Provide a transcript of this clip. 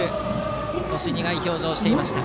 少し苦い表情をしていました。